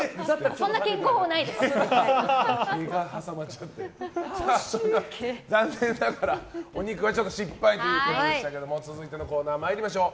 それでは、残念ながらお肉は失敗ということでしたが続いてのコーナー参りましょう。